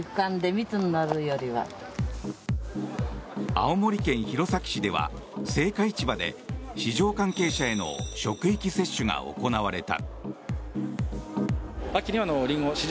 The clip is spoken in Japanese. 青森県弘前市では青果市場で市場関係者への職域接種が行われた。